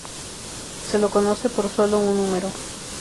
Se lo conoce por solo un húmero.